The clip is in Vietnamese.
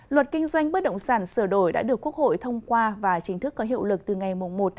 luật kinh doanh bất động sản sửa đổi đã được quốc hội thông qua và chính thức có hiệu lực từ ngày một một hai nghìn hai mươi năm